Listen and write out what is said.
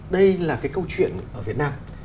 đây là cái câu chuyện ở việt nam